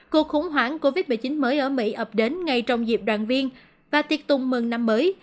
cuộc khủng hoảng covid một mươi chín mới ở mỹ ập đến ngay trong dịp đoàn viên và tiệc tùng mừng năm mới